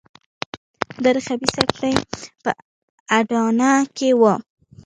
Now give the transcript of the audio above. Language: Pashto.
دا د خبیثه کړۍ په اډانه کې وو.